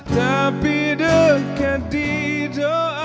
tapi dekat di doa